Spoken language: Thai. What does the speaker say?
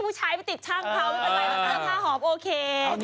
ขายไปติดช่างเคราะห์ไม่เป็นไรมันสามารถทาหอบโอเค